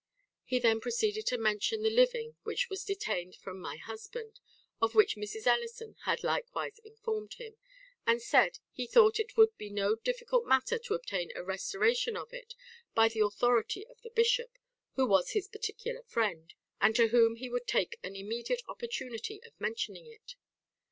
He then proceeded to mention the living which was detained from my husband, of which Mrs. Ellison had likewise informed him; and said, he thought it would be no difficult matter to obtain a restoration of it by the authority of the bishop, who was his particular friend, and to whom he would take an immediate opportunity of mentioning it.